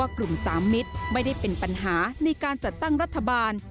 กลุ่ม๓มิตรไม่ได้เป็นปัญหาในการจัดตั้งรัฐบาล